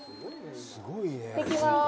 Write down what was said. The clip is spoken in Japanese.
行ってきます。